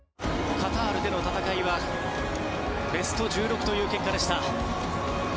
カタールでの戦いはベスト１６という結果でした。